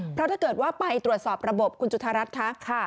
เพราะถ้าเกิดว่าไปตรวจสอบระบบคุณจุธารัฐคะ